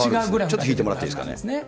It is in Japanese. ちょっと引いてもらっていいですか。